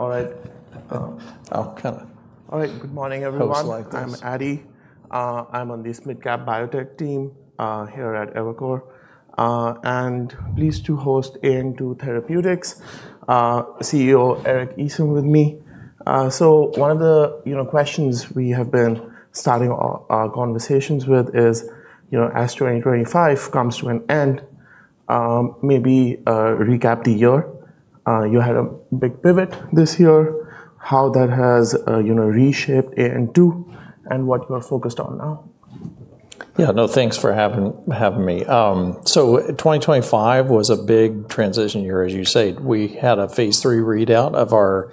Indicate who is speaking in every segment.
Speaker 1: All right. Good morning, everyone.
Speaker 2: First, likewise. I'm Adi. I'm on the SMID cap Biotech team here at Evercore, and pleased to host AN2 Therapeutics CEO Eric Easom with me. One of the questions we have been starting our conversations with is, as 2025 comes to an end, maybe recap the year. You had a big pivot this year, how that has reshaped AN2, and what you are focused on now. Yeah. No, thanks for having me. So 2025 was a big transition year, as you say. We had a phase III readout of our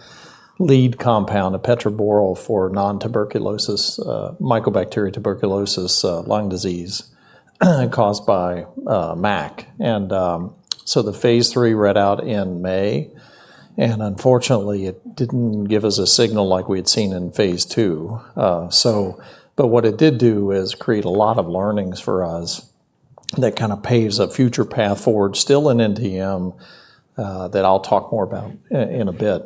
Speaker 2: lead compound, epetraborole, for nontuberculous mycobacteria lung disease caused by MAC. And so the phase III readout in May. And unfortunately, it didn't give us a signal like we had seen in phase II. But what it did do is create a lot of learnings for us that kind of paves a future path forward, still in NTM, that I'll talk more about in a bit.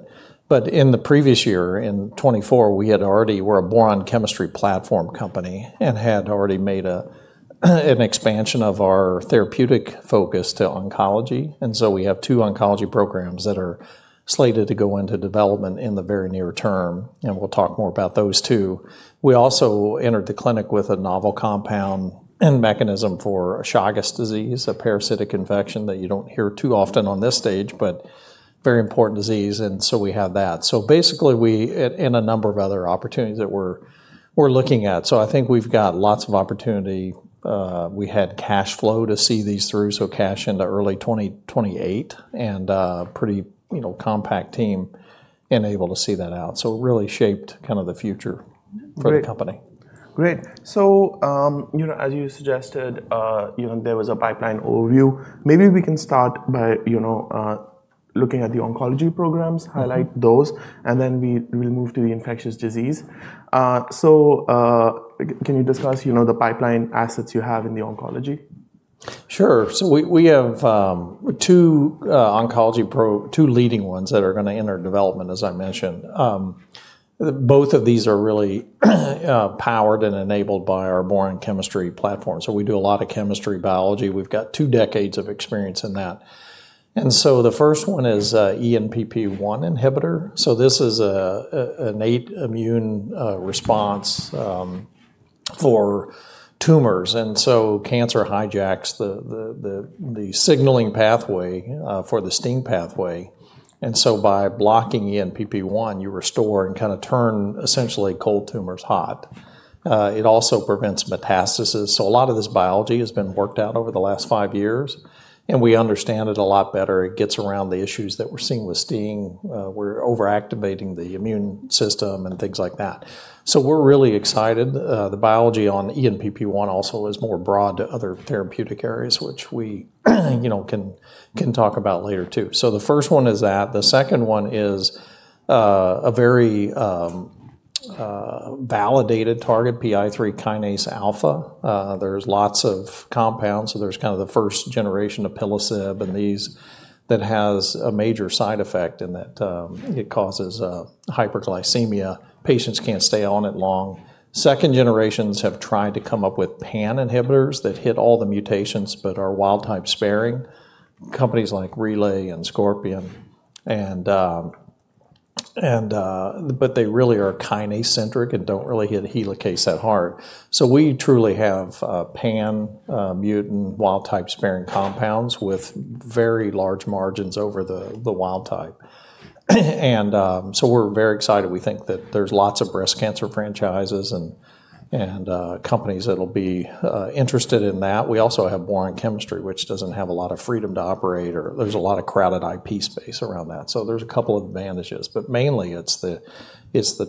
Speaker 2: But in the previous year, in 2024, we had already we're a boron chemistry platform company and had already made an expansion of our therapeutic focus to oncology. And so we have two oncology programs that are slated to go into development in the very near-term. And we'll talk more about those two. We also entered the clinic with a novel compound and mechanism for Chagas disease, a parasitic infection that you don't hear too often on this stage, but very important disease, and so we have that, so basically in a number of other opportunities that we're looking at, so I think we've got lots of opportunity. We had cash flow to see these through, so cash into early 2028, and a pretty compact team and able to see that out, so it really shaped kind of the future for the company. Great. So as you suggested, there was a pipeline overview. Maybe we can start by looking at the oncology programs, highlight those, and then we will move to the infectious disease. So can you discuss the pipeline assets you have in the oncology? Sure. So we have two oncology, two leading ones that are going to enter development, as I mentioned. Both of these are really powered and enabled by our boron chemistry platform. So we do a lot of chemistry biology. We've got two decades of experience in that. And so the first one is ENPP1 inhibitor. So this is an innate immune response for tumors. And so cancer hijacks the signaling pathway for the STING pathway. And so by blocking ENPP1, you restore and kind of turn, essentially, cold tumors hot. It also prevents metastasis. So a lot of this biology has been worked out over the last five years. And we understand it a lot better. It gets around the issues that we're seeing with STING. We're overactivating the immune system and things like that. So we're really excited. The biology on ENPP1 also is more broad to other therapeutic areas, which we can talk about later, too, so the first one is that. The second one is a very validated target, PI3K alpha. There's lots of compounds, so there's kind of the first generation of alpelisib and these that has a major side effect in that it causes hyperglycemia. Patients can't stay on it long. Second generations have tried to come up with pan inhibitors that hit all the mutations but are wild-type sparing, companies like Relay and Scorpion, but they really are kinase-centric and don't really hit helicase that hard, so we truly have pan mutant wild-type sparing compounds with very large margins over the wild-type, and so we're very excited. We think that there's lots of breast cancer franchises and companies that'll be interested in that. We also have boron chemistry, which doesn't have a lot of freedom to operate. There's a lot of crowded IP space around that. So there's a couple of advantages. But mainly, it's the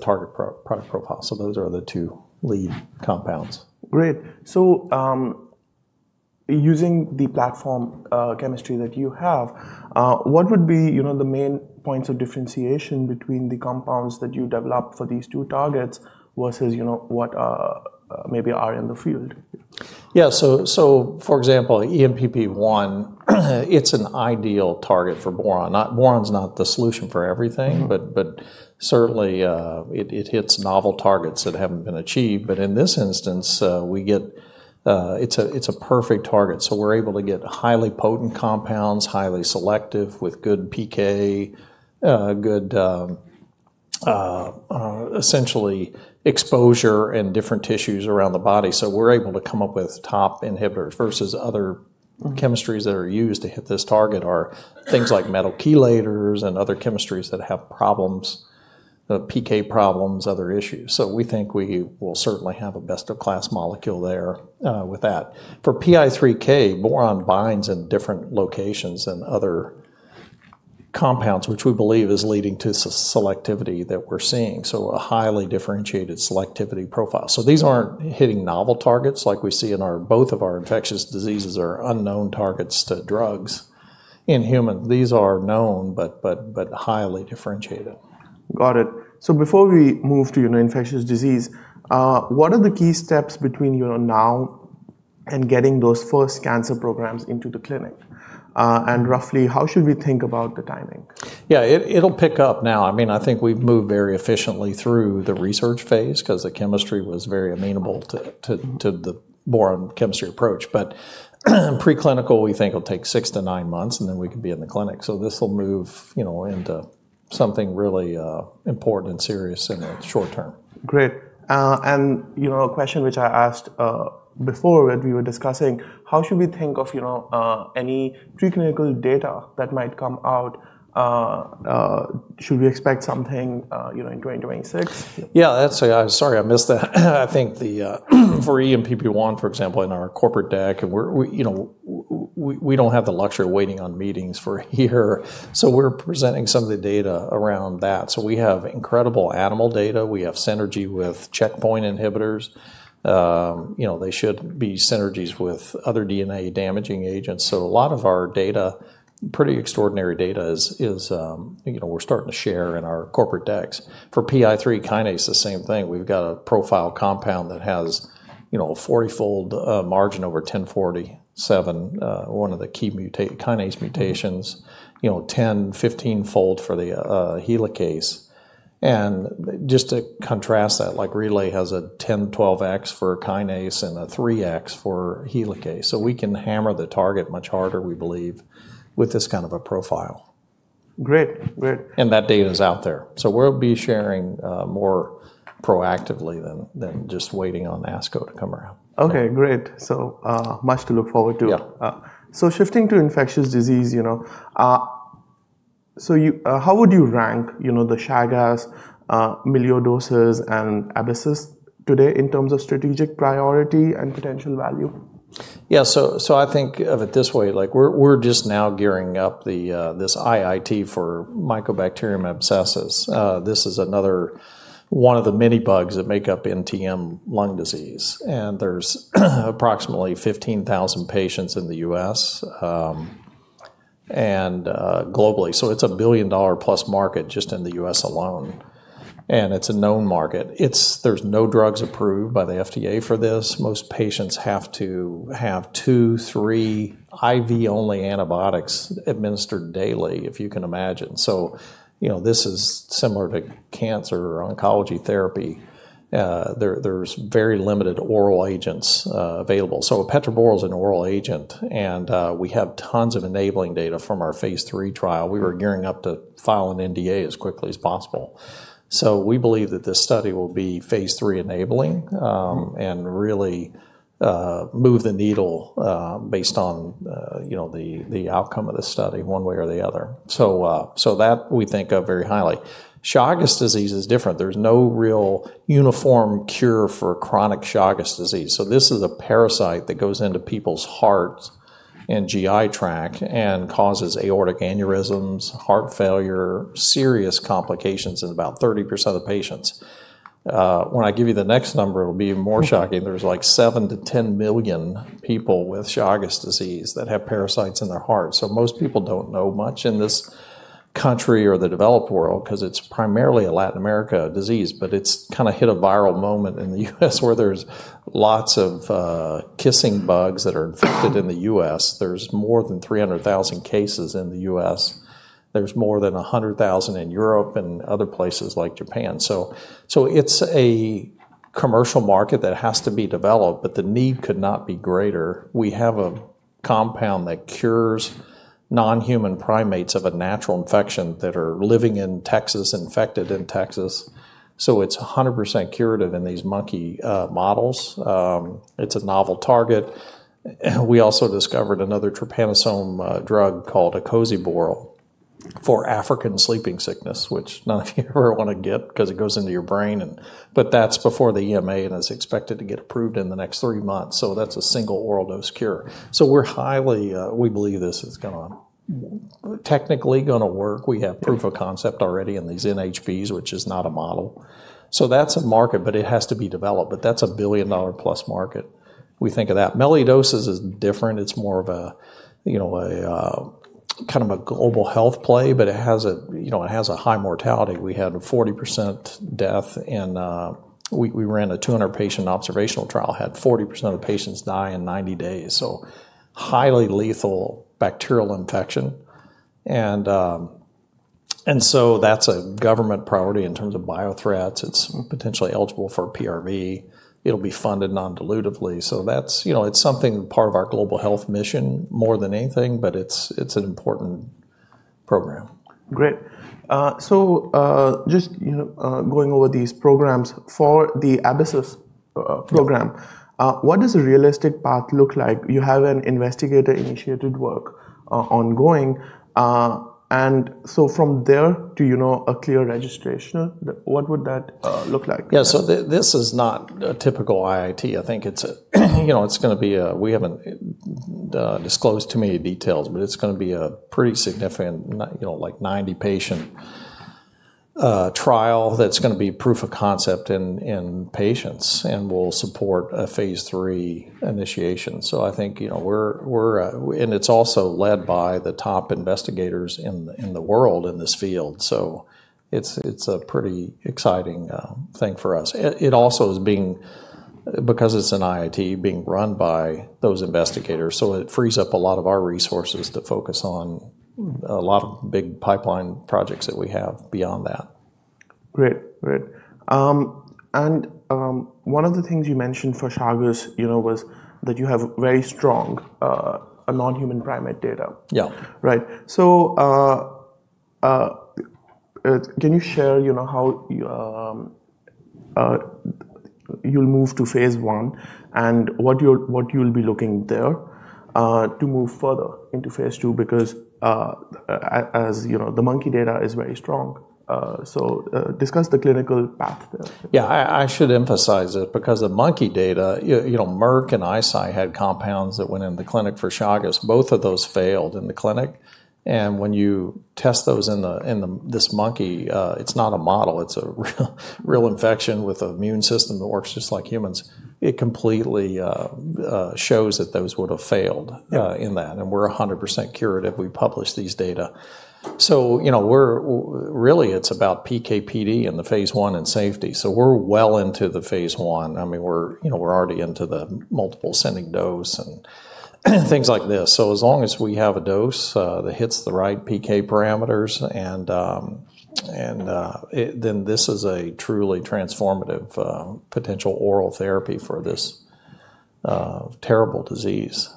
Speaker 2: target product profile. So those are the two lead compounds. Great. So using the platform chemistry that you have, what would be the main points of differentiation between the compounds that you develop for these two targets versus what maybe are in the field? Yeah. So for example, ENPP1, it's an ideal target for boron. Boron's not the solution for everything, but certainly, it hits novel targets that haven't been achieved. But in this instance, we get it's a perfect target. So we're able to get highly potent compounds, highly selective, with good PK, good essentially exposure in different tissues around the body. So we're able to come up with top inhibitors versus other chemistries that are used to hit this target are things like metal chelators and other chemistries that have problems, PK problems, other issues. So we think we will certainly have a best-of-class molecule there with that. For PI3K, boron binds in different locations and other compounds, which we believe is leading to selectivity that we're seeing. So a highly differentiated selectivity profile. These aren't hitting novel targets like we see in both of our infectious diseases or unknown targets to drugs in humans. These are known but highly differentiated. Got it. So before we move to infectious disease, what are the key steps between now and getting those first cancer programs into the clinic? And roughly, how should we think about the timing? Yeah. It'll pick up now. I mean, I think we've moved very efficiently through the research phase because the chemistry was very amenable to the boron chemistry approach. But preclinical, we think it'll take six to nine months, and then we could be in the clinic. So this will move into something really important and serious in the short-term. Great. And a question which I asked before when we were discussing, how should we think of any preclinical data that might come out? Should we expect something in 2026? Yeah. Sorry, I missed that. I think for ENPP1, for example, in our corporate deck, we don't have the luxury of waiting on meetings for a year. So we're presenting some of the data around that. So we have incredible animal data. We have synergy with checkpoint inhibitors. They should be synergies with other DNA damaging agents. So a lot of our data, pretty extraordinary data, is we're starting to share in our corporate decks. For PI3K, the same thing. We've got a profile compound that has a 40-fold margin over 1047, one of the key kinase mutations, 10-15-fold for the helicase. And just to contrast that, like Relay has a 10-12X for kinase and a 3X for helicase. So we can hammer the target much harder, we believe, with this kind of a profile. Great. Great. That data is out there. We'll be sharing more proactively than just waiting on ASCO to come around. Okay. Great. So much to look forward to. So shifting to infectious disease, so how would you rank the Chagas, melioidosis, and abscessus today in terms of strategic priority and potential value? Yeah. So I think of it this way. We're just now gearing up this IIT for Mycobacterium abscessus. This is another one of the many bugs that make up NTM lung disease. And there's approximately 15,000 patients in the U.S. and globally. So it's a $1 billion-plus market just in the U.S. alone. And it's a known market. There's no drugs approved by the FDA for this. Most patients have to have two, three IV-only antibiotics administered daily, if you can imagine. So this is similar to cancer or oncology therapy. There's very limited oral agents available. So epetraborole is an oral agent. And we have tons of enabling data from our phase III trial. We were gearing up to file an NDA as quickly as possible. So we believe that this study will be phase III enabling and really move the needle based on the outcome of the study one way or the other. So that we think of very highly. Chagas disease is different. There's no real uniform cure for chronic Chagas disease. So this is a parasite that goes into people's hearts and GI tract and causes aortic aneurysms, heart failure, serious complications in about 30% of the patients. When I give you the next number, it'll be more shocking. There's like seven to 10 million people with Chagas disease that have parasites in their heart. So most people don't know much in this country or the developed world because it's primarily a Latin America disease. But it's kind of hit a viral moment in the U.S. where there's lots of kissing bugs that are infected in the U.S. There's more than 300,000 cases in the U.S. There's more than 100,000 in Europe and other places like Japan. So it's a commercial market that has to be developed, but the need could not be greater. We have a compound that cures non-human primates of a natural infection that are living in Texas, infected in Texas. So it's 100% curative in these monkey models. It's a novel target. We also discovered another trypanosome drug called acoziborole for African sleeping sickness, which none of you ever want to get because it goes into your brain. But that's before the EMA and is expected to get approved in the next three months. So that's a single oral dose cure. So we believe this is going to technically work. We have proof of concept already in these NHPs, which is not a model. That's a market, but it has to be developed. But that's a $1 billion-plus market, we think of that. Melioidosis is different. It's more of a kind of a global health play, but it has a high mortality. We had 40% death. We ran a 200-patient observational trial, had 40% of the patients die in 90 days. So highly lethal bacterial infection. And so that's a government priority in terms of biothreats. It's potentially eligible for PRV. It'll be funded non-dilutively. So it's something part of our global health mission more than anything, but it's an important program. Great. So just going over these programs for the abscessus program, what does a realistic path look like? You have an investigator-initiated work ongoing. And so from there to a clear registration, what would that look like? Yeah. So this is not a typical IIT. I think it's going to be. We haven't disclosed too many details, but it's going to be a pretty significant, like 90-patient trial that's going to be proof of concept in patients and will support a phase III initiation. So I think we're, and it's also led by the top investigators in the world in this field. So it's a pretty exciting thing for us. It also is being, because it's an IIT, run by those investigators. So it frees up a lot of our resources to focus on a lot of big pipeline projects that we have beyond that. Great. Great. And one of the things you mentioned for Chagas was that you have very strong non-human primate data. Yeah. Right. Can you share how you'll move to phase I and what you'll be looking there to move further into phase II? Because as the monkey data is very strong. Discuss the clinical path there. Yeah. I should emphasize it because the monkey data, Merck and Eisai had compounds that went in the clinic for Chagas. Both of those failed in the clinic, and when you test those in this monkey, it's not a model. It's a real infection with an immune system that works just like humans. It completely shows that those would have failed in that, and we're 100% curative. We publish these data. So really, it's about PK/PD in the phase I and safety. So we're well into the phase I. I mean, we're already into the multiple ascending dose and things like this. So as long as we have a dose that hits the right PK parameters, then this is a truly transformative potential oral therapy for this terrible disease.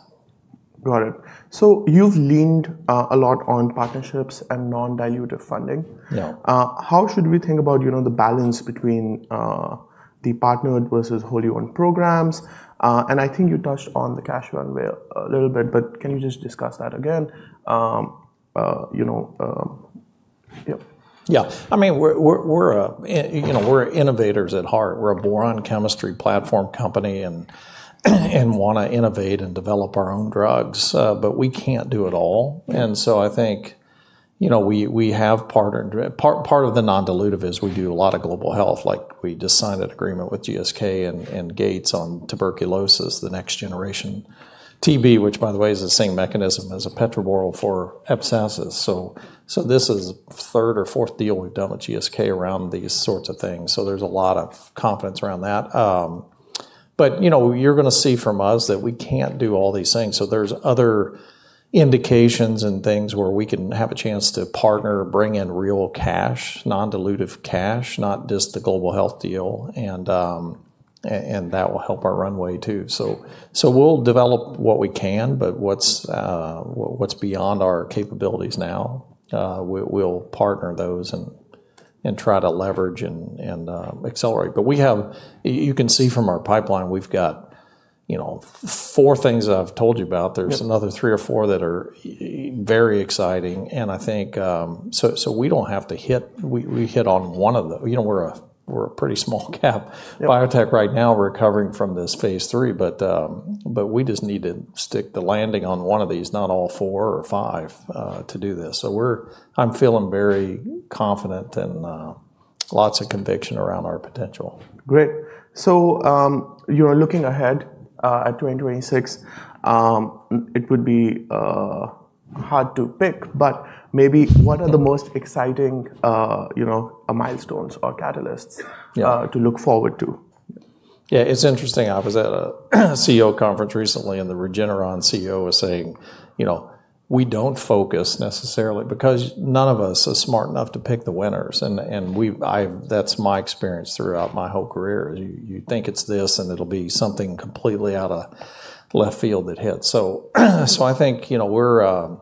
Speaker 2: Got it. So you've leaned a lot on partnerships and non-dilutive funding. No. How should we think about the balance between the partnered versus wholly owned programs? And I think you touched on the cash runway a little bit, but can you just discuss that again? Yeah. I mean, we're innovators at heart. We're a boron chemistry platform company and want to innovate and develop our own drugs. But we can't do it all. And so I think we have part of the non-dilutive is we do a lot of global health. We just signed an agreement with GSK and Gates on tuberculosis, the next generation TB, which, by the way, is the same mechanism as epetraborole for abscessus. So this is the third or fourth deal we've done with GSK around these sorts of things. So there's a lot of confidence around that. But you're going to see from us that we can't do all these things. So there's other indications and things where we can have a chance to partner, bring in real cash, non-dilutive cash, not just the global health deal. And that will help our runway too. So we'll develop what we can, but what's beyond our capabilities now, we'll partner those and try to leverage and accelerate. But you can see from our pipeline, we've got four things I've told you about. There's another three or four that are very exciting. And I think so we don't have to hit on one of them. We're a pretty small cap biotech right now. We're recovering from this phase III, but we just need to stick the landing on one of these, not all four or five, to do this. So I'm feeling very confident and lots of conviction around our potential. Great. So you're looking ahead at 2026. It would be hard to pick, but maybe what are the most exciting milestones or catalysts to look forward to? Yeah. It's interesting. I was at a CEO conference recently, and the Regeneron CEO was saying, "We don't focus necessarily because none of us are smart enough to pick the winners." And that's my experience throughout my whole career. You think it's this, and it'll be something completely out of left field that hits. So I think we're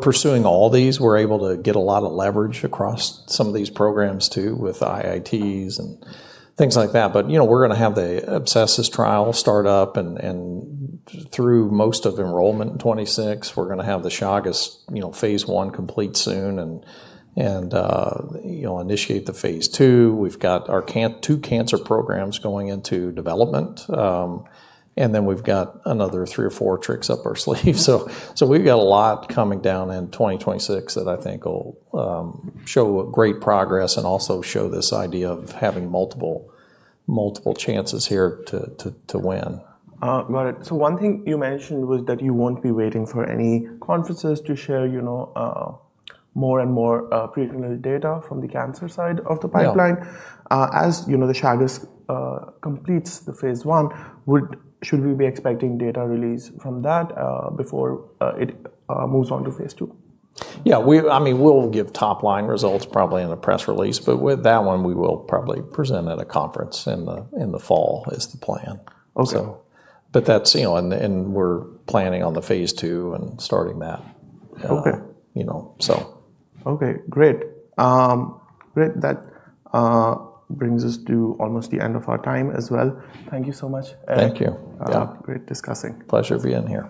Speaker 2: pursuing all these. We're able to get a lot of leverage across some of these programs too with IITs and things like that. But we're going to have the abscessus trial start up. And through most of enrollment in 2026, we're going to have the Chagas phase I complete soon and initiate the phase II. We've got our two cancer programs going into development. And then we've got another three or four tricks up our sleeve. So we've got a lot coming down in 2026 that I think will show great progress and also show this idea of having multiple chances here to win. Got it. So one thing you mentioned was that you won't be waiting for any conferences to share more and more preclinical data from the cancer side of the pipeline. As the Chagas completes the phase I, should we be expecting data release from that before it moves on to phase II? Yeah. I mean, we'll give top-line results probably in a press release. But with that one, we will probably present at a conference in the fall, is the plan. But that's, and we're planning on the phase II and starting that. Okay. Okay. Great. Great. That brings us to almost the end of our time as well. Thank you so much. Thank you. Yeah. Great discussing. Pleasure being here.